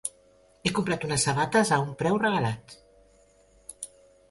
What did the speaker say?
He comprat unes sabates a un preu regalat.